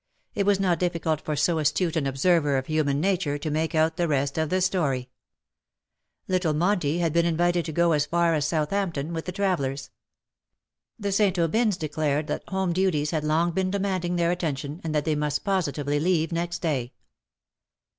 It was not difficult for so astute an observer of human nature to make out the rest of the story. Little Monty had been invited to go as far as TEARS AND TREASONS. 311 Southampton with the travellers. The St. Aubyns declared that home duties had long been demanding their attention^ and that they must positively leave next day.